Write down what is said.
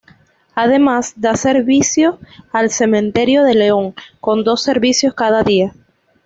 Además, da servicio al Cementerio de León, con dos servicios cada día.